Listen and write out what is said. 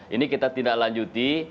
ini kita tidak lanjuti